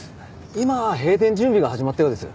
今閉店準備が始まったようです。